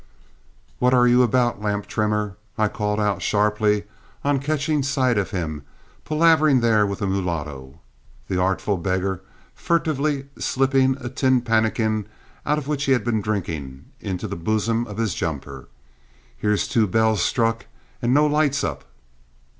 "What are you about, lamp trimmer?" I called out sharply on catching sight of him palavering there with the mulatto, the artful beggar furtively slipping the tin pannikin out of which he had been drinking into the bosom of his jumper. "Here's two bells struck and no lights up!"